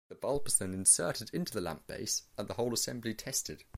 The bulb is then inserted into the lamp base, and the whole assembly tested.